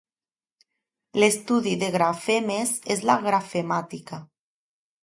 L'estudi de grafemes és la grafemàtica.